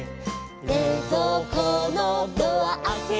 「れいぞうこのドアあけて」